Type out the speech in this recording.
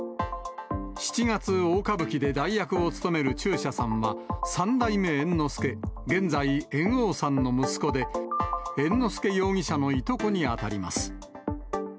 七月大歌舞伎で代役を勤める中車さんは三代目猿之助、現在、猿翁さんの息子で、猿之助容疑者のいとこに当たります。